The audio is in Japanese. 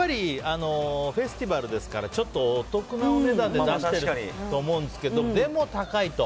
フェスティバルですからちょっとお得なお値段で出していると思うんですがでも高いと。